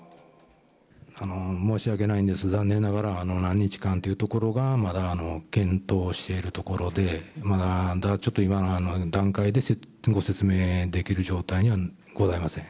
申し訳ないんです、残念ながら、何日かというところは、まだ検討しているところで、まだちょっと今の段階でご説明できる状態にはございません。